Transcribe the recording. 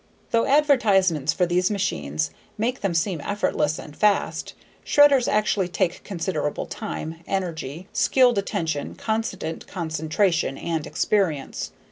Though advertisements for these machines make them seem effortless and fast, shredders actually take considerable time, energy, skilled attention, constant concentration, and experience.